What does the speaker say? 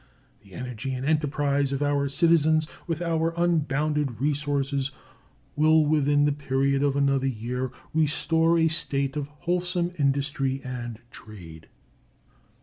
The energy and enterprise of our citizens, with our unbounded resources, will within the period of another year restore a state of wholesome industry and trade.